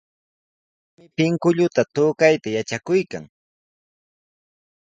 Paymi pinkullata tukayta yatrakuykan.